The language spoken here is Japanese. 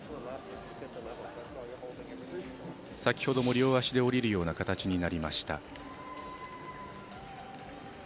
先ほどの両足で降りるような形になりました。